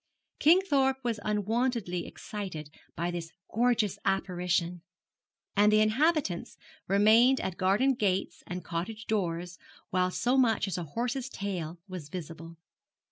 Kingthorpe was unwontedly excited by this gorgeous apparition, and the inhabitants remained at garden gates and cottage doors while so much as a horse's tail was visible.